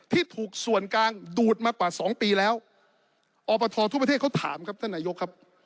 ที่ถูกส่วนกลางดูดมากว่าสองปีแล้วอบททั่วประเทศเขาถามครับท่านนายกครับ